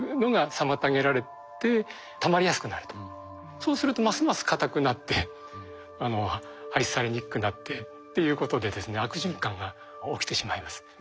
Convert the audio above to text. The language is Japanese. そうするとますます硬くなって排出されにくくなってっていうことでですね悪循環が起きてしまいます。